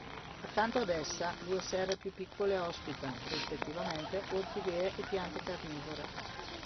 Accanto ad essa, due serre più piccole ospitano, rispettivamente, orchidee e piante carnivore.